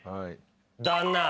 旦那。